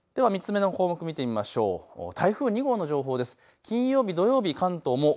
では３つ目の項目、見てみましょう。